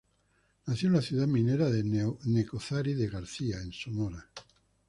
Nació en la ciudad minera de Nacozari de García, en Sonora.